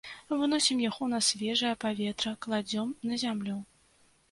Выносім яго на свежае паветра, кладзём на зямлю.